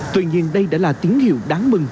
tuy nhiên đây đã là tiếng hiệu đáng mừng